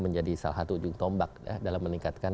menjadi salah satu ujung tombak dalam meningkatkan